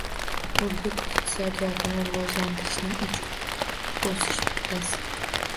Urgut iqtisodiyotini rivojlantirishning uch o‘sish nuqtasi